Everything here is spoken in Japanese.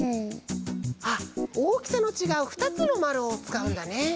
あっおおきさのちがうふたつのまるをつかうんだね。